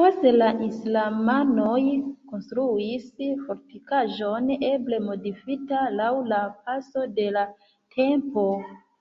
Poste la islamanoj konstruis fortikaĵon eble modifita laŭ la paso de la tempo.